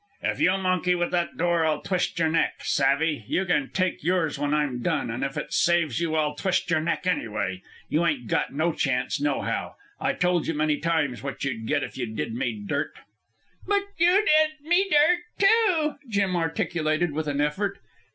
"If you monkey with that door, I'll twist your neck. Savve? You can take yours when I'm done. An' if it saves you, I'll twist your neck, anyway. You ain't got no chance, nohow. I told you many times what you'd get if you did me dirt." "But you did me dirt, too," Jim articulated with an effort.